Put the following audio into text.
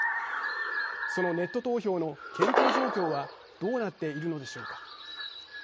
そのネット投票の検討状況はどうなっているのでしょうか。